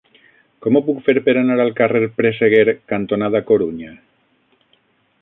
Com ho puc fer per anar al carrer Presseguer cantonada Corunya?